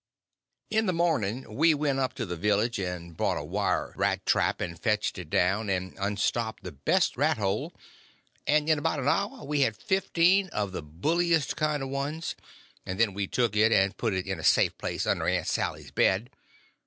In the morning we went up to the village and bought a wire rat trap and fetched it down, and unstopped the best rat hole, and in about an hour we had fifteen of the bulliest kind of ones; and then we took it and put it in a safe place under Aunt Sally's bed.